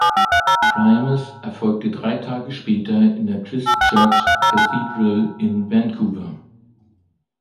Primas erfolgte drei Tage später in der Christ Church Cathedral in Vancouver.